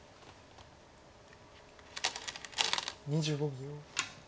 ２５秒。